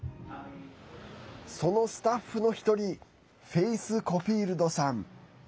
そのスタッフの１人フェイス・コフィールドさん。